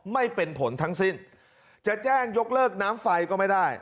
ไม่เป็นผลทั้งสิ้นจะแจ้งยกเลิกน้ำไฟก็ไม่ได้